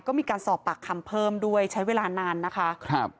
ก็มีการสอบปากคำเพิ่มด้วยใช้เวลานานนะคะครับ